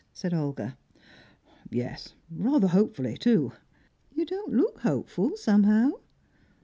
said Olga. "Yes. Rather hopefully, too." "You don't look hopeful, somehow."